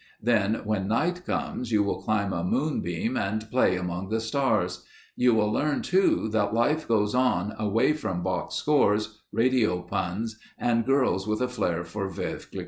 Then when night comes you will climb a moonbeam and play among the stars. You will learn too, that life goes on away from box scores, radio puns, and girls with a flair for Veuve Cliquot.